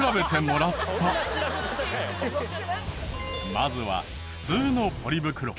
まずは普通のポリ袋。